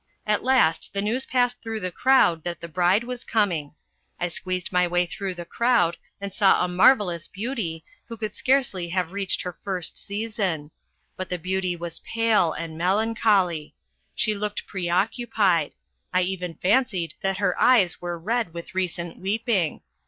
At last the news passed through the crowd that the bride was coming. I squeezed my way through the crowd and saw a marvellous beauty, who could scarcely have reached her first season. But the beauty was pale and melan choly. She looked preoccupied; I even fancied that her eyes were red with recent weeping.